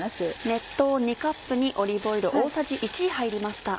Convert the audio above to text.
熱湯２カップにオリーブオイル大さじ１入りました。